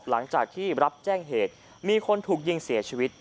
หลังจากที่รับแจ้งเหตุมีคนถูกยิงเสียชีวิต